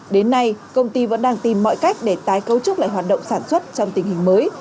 đến nay công ty vẫn đang tìm mọi cách để tái cấu trúc lại hoạt động sản xuất trong tình hình mới